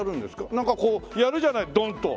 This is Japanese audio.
なんかこうやるじゃないドンッと。